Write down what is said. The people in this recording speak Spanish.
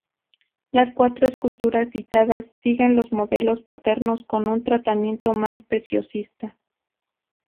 Las cuatro esculturas citadas siguen los modelos paternos con un tratamiento más preciosista.